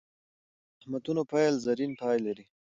هر د زخمتونو پیل؛ زرین پای لري.